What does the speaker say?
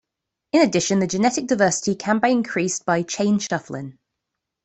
In addition, the genetic diversity can be increased by chain shuffling.